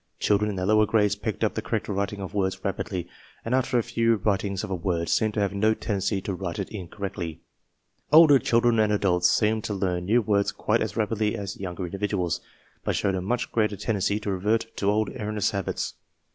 Children in the lower grades picked up the correct writing of words rapidly and, after a few writ ings of a word, seemed to have no tendency to write it incorrectly. Older children and adults seemed to learn new words quite as rapidly as younger individuals, but showed a much greater tendency to revert to old erro neous habits.